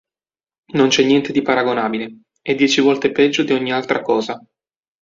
Non c'è niente di paragonabile; è dieci volte peggio di ogni altra cosa.